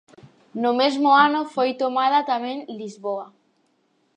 No mesmo ano foi tomada tamén Lisboa.